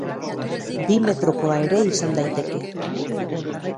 Bi metrokoa ere izan daiteke.